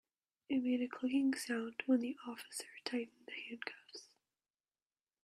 It made a clicking sound when the officer tightened the handcuffs.